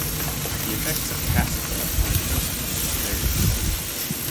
The effects of "Cassytha" on host plants varies.